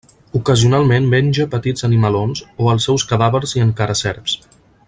Ocasionalment menja petits animalons o els seus cadàvers i encara serps.